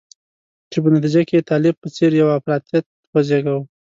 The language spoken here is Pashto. چې په نتیجه کې یې طالب په څېر یو افراطیت وزیږاوه.